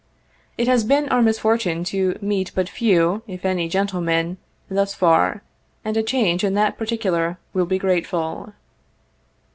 It has been our misfortune to meet but few, if any, gentlemen, thus far, and a change in that particular will be grateful."